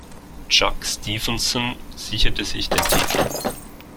Chuck Stevenson sicherte sich den Titel.